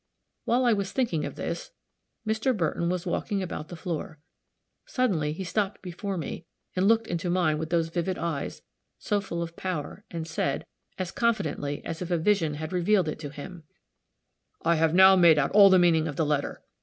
While I was thinking of this, Mr. Burton was walking about the floor. Suddenly he stopped before me and looked into mine with those vivid eyes, so full of power, and said, as confidently as if a vision had revealed it to him, "I have now made out all the meaning of the letter.